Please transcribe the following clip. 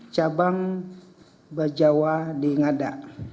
cabang bajawa di ngada